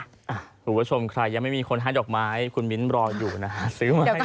คุณผู้ชมใครยังไม่มีคนให้ดอกไม้คุณมิ้นรออยู่นะฮะซื้อมาให้